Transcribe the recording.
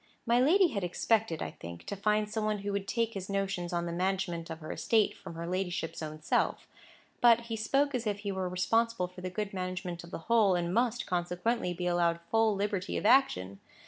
My lady had expected, I think, to find some one who would take his notions on the management of her estate from her ladyship's own self; but he spoke as if he were responsible for the good management of the whole, and must, consequently, be allowed full liberty of action.